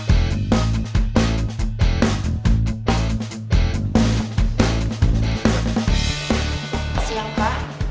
ada ibu di dalam kak